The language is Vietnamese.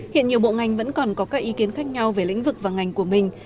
hiện nhiều bộ ngành vẫn còn có các ý kiến khác nhau về lĩnh vực và ngành của mình